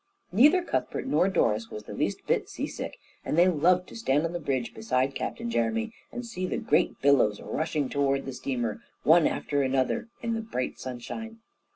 Neither Cuthbert nor Doris was the least bit sea sick, and they loved to stand on the bridge beside Captain Jeremy and see the great billows rushing toward the steamer, one after another, in the bright sunshine.